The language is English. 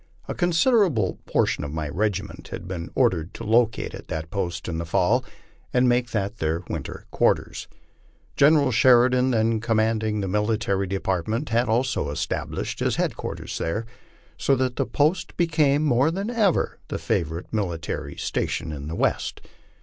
A considerable portion of my regiment had been ordered to locate at that post in the fall, and make that their winter quarters. General Sheridan, then commanding that military (Apartment, had also established his headquarters there, so that the post be came more than ever the favorite military station in the West.